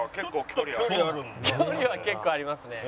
距離は結構ありますね。